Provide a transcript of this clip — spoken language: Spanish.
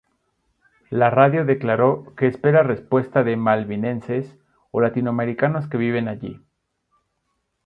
La radio declaró que espera respuestas de malvinenses o latinoamericanos que viven allí.